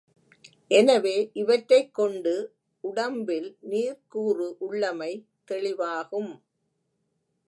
எனவே, இவற் றைக் கொண்டு, உடம்பில் நீர்க்கூறு உள்ளமை தெளிவாகும்.